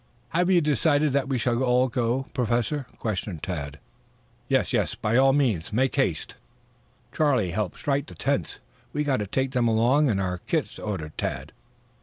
Have you decided that we shall all go, Professor?" questioned Tad. "Yes, yes, by all means. Make haste!" "Charlie, help strike the tents. We've got to take them along and our kits," ordered Tad.